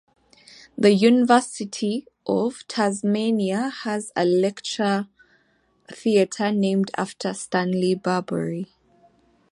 The University of Tasmania has a lecture theatre named after Stanley Burbury.